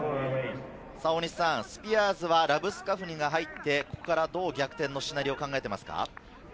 スピアーズはラブスカフニが入って、どう逆転のシナリオを考えていますか。